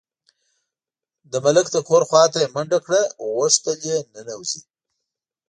د ملک د کور خواته یې منډه کړه، غوښتل یې ننوځي.